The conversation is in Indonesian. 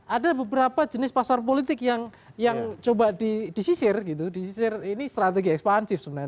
ada beberapa jenis pasar politik yang coba disisir gitu disisir ini strategi ekspansif sebenarnya